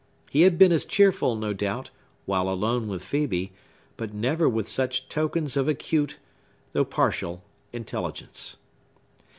He had been as cheerful, no doubt, while alone with Phœbe, but never with such tokens of acute, although partial intelligence.